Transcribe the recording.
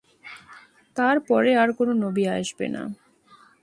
তার পরে আর কোনো নবি আসবে না।